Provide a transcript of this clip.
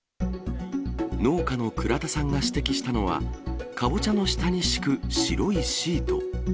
農家の倉田さんが指摘したのは、カボチャの下に敷く白いシート。